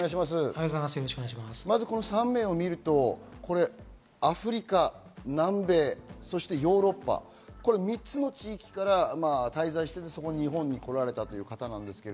３名を見るとアフリカ、南米、ヨーロッパ、３つの地域から滞在していて、日本に来られたという方です。